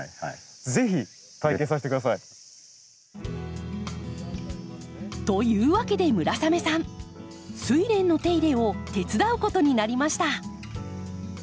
ぜひ体験させてください。というわけで村雨さんスイレンの手入れを手伝うことになりました。